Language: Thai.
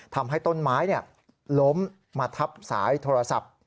ทำให้ต้นไม้ล้มมาทับสายโทรศัพท์